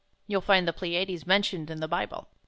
You'll find the Pleiades mentioned in the Bible.